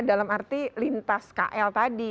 dalam arti lintas kl tadi